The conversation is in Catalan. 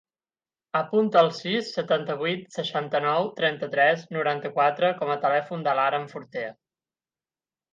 Apunta el sis, setanta-vuit, seixanta-nou, trenta-tres, noranta-quatre com a telèfon de l'Aram Fortea.